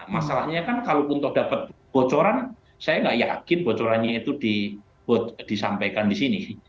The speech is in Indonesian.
masalahnya kan kalau untuk dapat bocoran saya tidak yakin bocorannya itu disampaikan di sini